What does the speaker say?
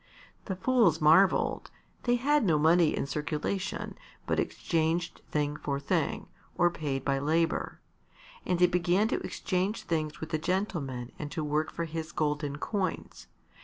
The fools marvelled. They had no money in circulation, but exchanged thing for thing, or paid by labour. And they began to exchange things with the gentleman and to work for his golden coins.